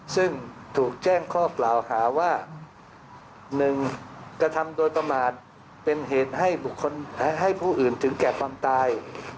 ซึ่งถูกแจ้งข้อกล่าวหาว่า๑กระทำโดยประมาทเป็นเหตุให้ผู้อื่นถึงแก่ความตาย